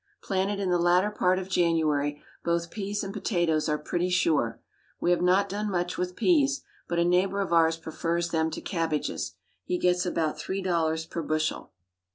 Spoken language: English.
Planted in the latter part of January, both peas and potatoes are pretty sure. We have not done much with peas; but a neighbor of ours prefers them to cabbages. He gets about three dollars per bushel.